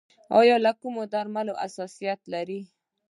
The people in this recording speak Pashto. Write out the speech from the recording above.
ایا له کومو درملو حساسیت لرئ؟